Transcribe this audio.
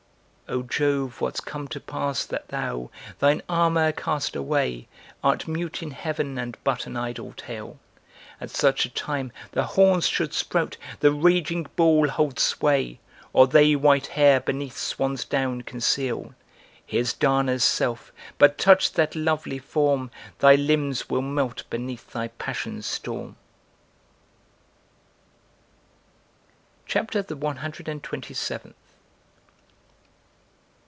Oh Jove, what's come to pass that thou, thine armor cast away Art mute in heaven; and but an idle tale? At such a time the horns should sprout, the raging bull hold sway, Or they white hair beneath swan's down conceal Here's Dana's self! But touch that lovely form Thy limbs will melt beneath thy passions' storm! CHAPTER THE ONE HUNDRED AND TWENTY SEVENTH.